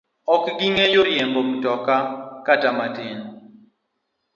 Ok ging'eyo riembo mtoka kata matin.